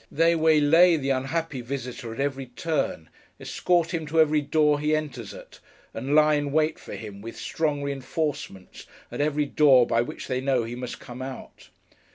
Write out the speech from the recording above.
They waylay the unhappy visitor at every turn, escort him to every door he enters at, and lie in wait for him, with strong reinforcements, at every door by which they know he must come out.